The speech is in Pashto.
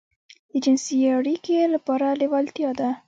د جنسي اړيکې لپاره لېوالتيا ده.